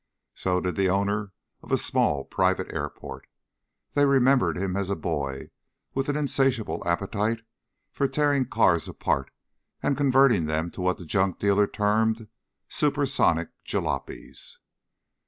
So did the owner of a small private airport. They remembered him as a boy with an insatiable appetite for tearing cars apart and converting them to what the junk dealer termed "supersonic jalopies."